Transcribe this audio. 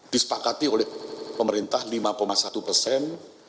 disepakati oleh pemerintah lima satu persen